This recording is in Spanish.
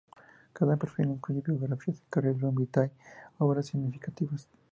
Cada perfil incluye biografías, Curriculum Vitae y obras significativas.